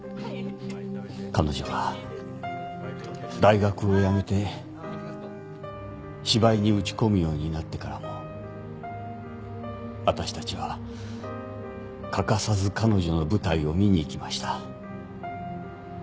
彼女が大学を辞めて芝居に打ち込むようになってからも私たちは欠かさず彼女の舞台を見に行きました。